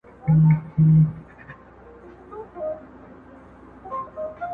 سر ې د ديدن په بدله غوښتو